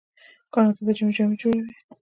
کاناډا د ژمي جامې جوړوي.